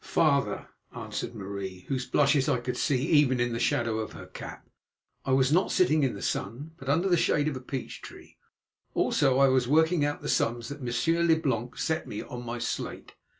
"Father," answered Marie, whose blushes I could see even in the shadow of her cap, "I was not sitting in the sun, but under the shade of a peach tree. Also, I was working out the sums that Monsieur Leblanc set me on my slate.